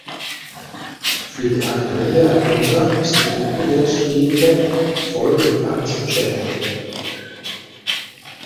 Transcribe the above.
Für die aktuelle Agenda ist die Wettbewerbsfähigkeit voll und ganz entscheidend.